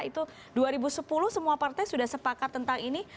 itu dua ribu sepuluh semua partai sudah sepakat tentang ini